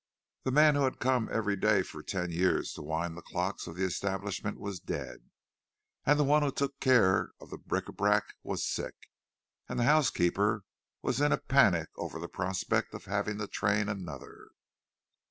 The man who had come every day for ten years to wind the clocks of the establishment was dead, and the one who took care of the bric à brac was sick, and the housekeeper was in a panic over the prospect of having to train another.